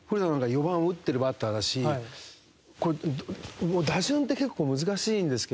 ４番を打ってるバッターだしこれ打順って結構難しいんですけど。